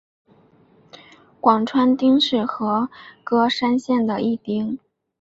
广川町是和歌山县的一町。